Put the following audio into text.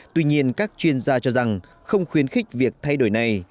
tuy nhiên các chuyên gia cho rằng không khuyến khích việc thay đổi này